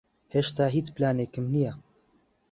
ھێشتا ھیچ پلانێکم نییە.